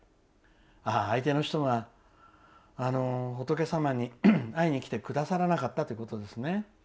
相手の人が、仏様に会いに来てくださらなかったということですね。